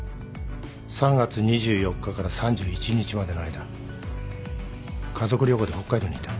３月２４日から３１日までの間家族旅行で北海道にいた。